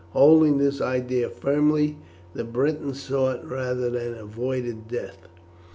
Holding this idea firmly, the Britons sought rather than avoided death.